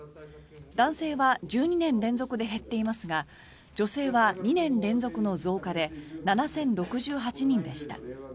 男性は１２年連続で減っていますが女性は２年連続の増加で７０６８人でした。